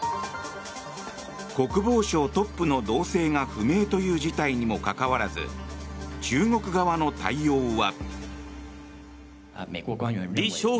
国防省トップの動静が不明という事態にもかかわらず中国側の対応は。